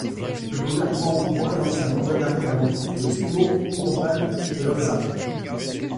Le gouvernement hongrois lance un mandat d'arrêt à l'encontre de Štúr, Hurban et Hodža.